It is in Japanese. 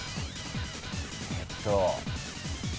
えっと。